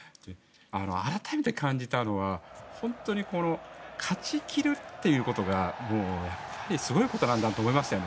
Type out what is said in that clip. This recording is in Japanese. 改めて感じたのは本当に勝ち切るということがすごいことなんだと思いましたね。